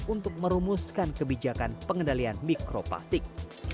untuk merumuskan kebijakan pengendalian mikroplastik